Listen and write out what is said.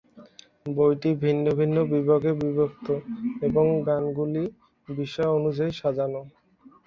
বইটি বিভিন্ন বিভাগে বিভক্ত এবং গানগুলি বিষয় অনুযায়ী সাজানো।